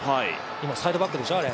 今、サイドバックでしょ。